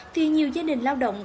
thì nhiều gia đình lao động